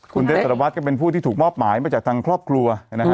คุณเดนสตะวัดเป็นผู้ที่ถูกมอบหมายมาจากทางครอบครัว